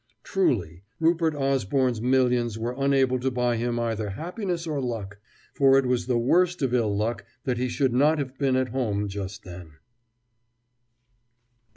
Truly, Rupert Osborne's millions were unable to buy him either happiness or luck, for it was the worst of ill luck that he should not have been at home just then.